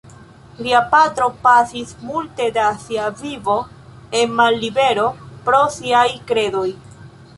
Lia patro pasis multe de sia vivo en mallibero pro siaj kredoj.